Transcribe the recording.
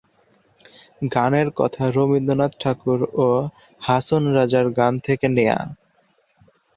গানের কথা রবীন্দ্রনাথ ঠাকুর ও হাছন রাজার গান থেকে নেয়া।